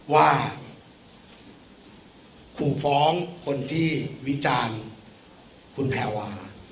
ว่าขู่ฟ้องคนที่วิจารณ์คุณแพรวา